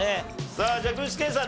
さあじゃあ具志堅さん